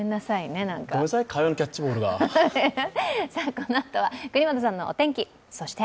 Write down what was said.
このあとは國本さんのお天気、そして